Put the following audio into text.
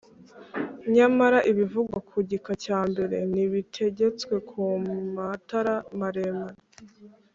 Nyamara ibivugwa ku gika cya mbere ntibitegetswe ku matara maremar